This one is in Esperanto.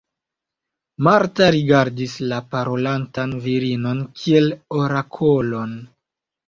Marta rigardis la parolantan virinon kiel orakolon.